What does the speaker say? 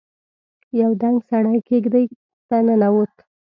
يو دنګ سړی کېږدۍ ته ننوت.